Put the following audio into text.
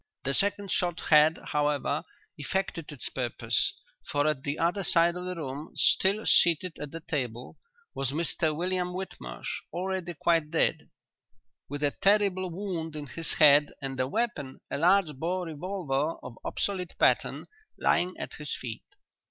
The second shot had, however, effected its purpose, for at the other side of the room, still seated at the table, was Mr William Whitmarsh, already quite dead, with a terrible wound in his head and the weapon, a large bore revolver of obsolete pattern, lying at his feet.